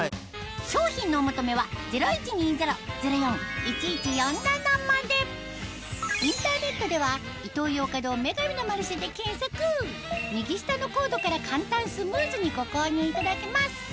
商品のお求めはインターネットでは右下のコードから簡単スムーズにご購入いただけます